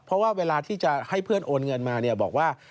เพราะว่าเวลาที่จะให้เพื่อนโอนเงินมาเนี่ยบอกว่า